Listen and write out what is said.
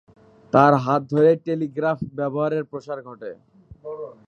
তার হাত ধরেই টেলিগ্রাফ ব্যবহারের প্রসার ঘটে।